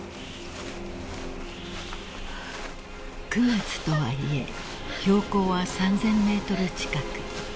［９月とはいえ標高は３，０００ｍ近く］